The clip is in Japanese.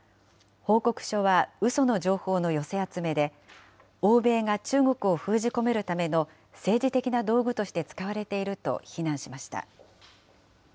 報告書はうその情報の寄せ集めで、欧米が中国を封じ込めるための政治的な道具として使われていると非難しました。